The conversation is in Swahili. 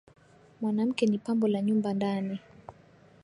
mwanamke ni pambo la nyumba ndani